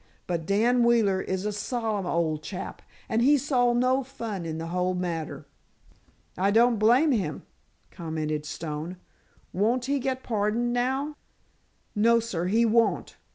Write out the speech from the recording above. But Dan Wheeler is a solemn old chap, and he saw no fun in the whole matter." "I don't blame him," commented Stone. "Won't he get pardoned now?" "No, sir, he won't.